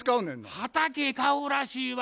畑買うらしいわ。